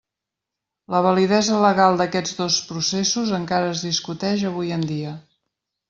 La validesa legal d'aquests dos processos encara es discuteix avui en dia.